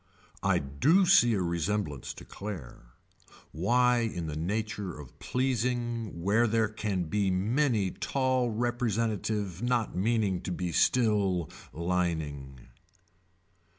I do see a resemblance to Claire. Why in the nature of pleasing where there can be many tall representative not meaning to be still lining.